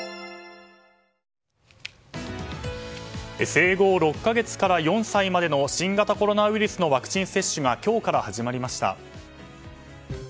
生後６か月から４歳までの新型コロナウイルスのワクチン接種が今日から始まりました。